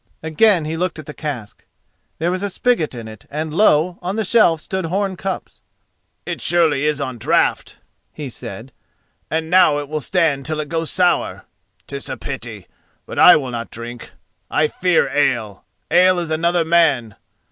Again he looked at the cask. There was a spigot in it, and lo! on the shelf stood horn cups. "It surely is on draught," he said; "and now it will stand till it goes sour. 'Tis a pity; but I will not drink. I fear ale—ale is another man!